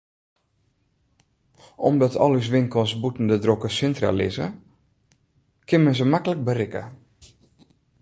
Omdat al ús winkels bûten de drokke sintra lizze, kin men se maklik berikke.